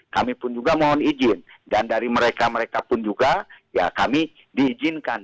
kami pun juga mohon izin dan dari mereka mereka pun juga ya kami diizinkan